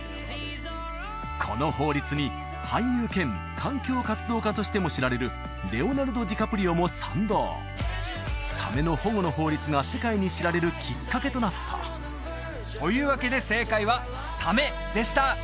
この法律に俳優兼環境活動家としても知られるレオナルド・ディカプリオも賛同サメの保護の法律が世界に知られるきっかけとなったというわけで正解は「サメ」でした！」